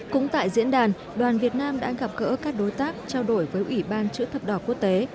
cũng tại diễn đàn đoàn việt nam đã gặp gỡ các đối tác trao đổi với ủy ban chữ thập đỏ quốc tế